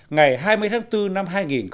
ngày hai mươi tháng bốn năm hai nghìn một mươi sáu